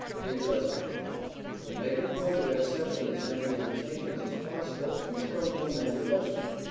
It doesn't pay. But make a point of accepting as many invitations as possible which come from men you like.